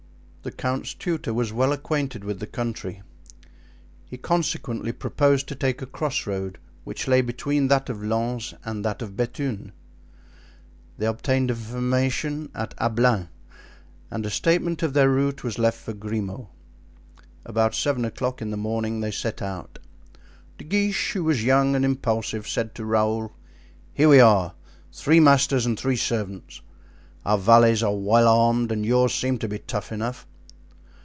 The count's tutor was well acquainted with the country; he consequently proposed to take a crossroad, which lay between that of Lens and that of Bethune. They obtained information at Ablain, and a statement of their route was left for Grimaud. About seven o'clock in the morning they set out. De Guiche, who was young and impulsive, said to Raoul, "Here we are, three masters and three servants. Our valets are well armed and yours seems to be tough enough."